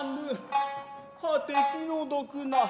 はて気の毒な。